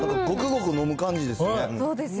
ごくごく飲む感じですよね。